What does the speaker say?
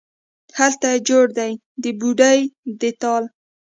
هلته چې جوړ دی د بوډۍ د ټال،